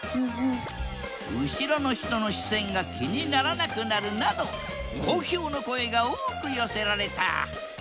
後ろの人の視線が気にならなくなるなど好評の声が多く寄せられた。